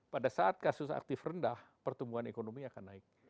pada saat kasus aktif rendah pertumbuhan ekonomi akan naik